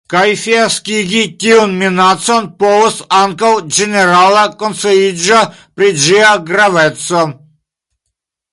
Kaj fiaskigi tiun minacon povus ankaŭ ĝenerala konsciiĝo pri ĝia graveco.